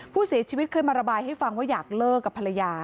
ผู้เสียชีวิตเคยมาระบายให้ฟังว่าอยากเลิกกับภรรยา